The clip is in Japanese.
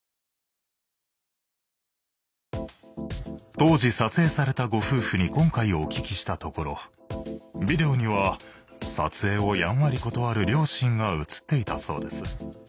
当時撮影されたご夫婦に今回お聞きしたところビデオには撮影をやんわり断る両親が映っていたそうです。